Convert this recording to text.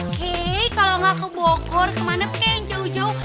oke kalau gak ke bogor kemana pengen jauh jauh